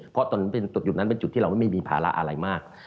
เพราะจุดนั้นเป็นจุดที่เราไม่มีภาระอะไรมาก